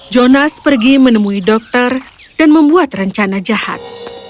jonas pergi menemui dokter dan membuat rencana jahat